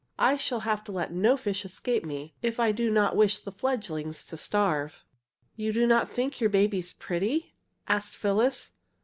I shall have to let no fish escape me, if I do not wish the fledglings to starve." "You do not think your babies pretty?" asked Phyllis.